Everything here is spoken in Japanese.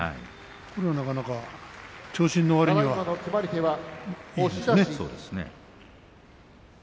これは、なかなか長身のわりにはいいですね。